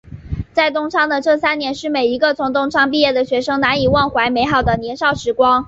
在东昌的这三年是每一个从东昌毕业的学生难以忘怀美好的年少时光。